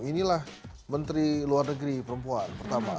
inilah menteri luar negeri perempuan pertama